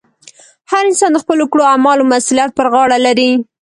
هر انسان د خپلو کړو اعمالو مسؤلیت پر غاړه لري.